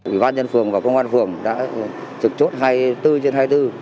ủy ban nhân phường và công an phường đã trực chốt hai mươi bốn trên hai mươi bốn